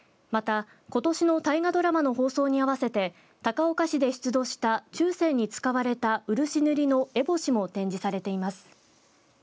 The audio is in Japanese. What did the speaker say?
また、ことしの大河ドラマの放送に合わせて高岡市で出土した中世に使われた漆塗りの烏帽子も展示されています。